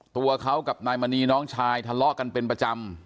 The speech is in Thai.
ตัวเขากับนายมณีน้องชายทะเลาะกันเป็นประจำ